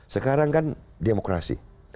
sekarang kan demokrasi